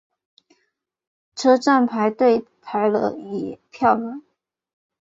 车站排队排了一票人